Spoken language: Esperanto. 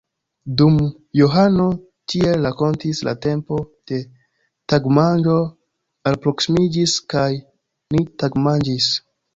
Dum Johano tiel rakontis, la tempo de tagmanĝo alproksimiĝis, kaj ni tagmanĝis.